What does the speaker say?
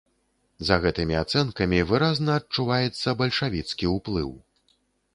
За гэтымі ацэнкамі выразна адчуваецца бальшавіцкі ўплыў.